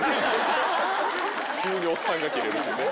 急におっさんがキレるって。